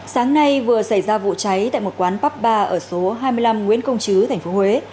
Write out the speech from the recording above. sáng nay vừa xảy ra vụ cháy tại một quán pắp ba ở số hai mươi năm nguyễn công chứ tp huế